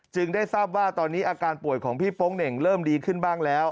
ได้ทราบว่าตอนนี้อาการป่วยของพี่โป๊งเหน่งเริ่มดีขึ้นบ้างแล้ว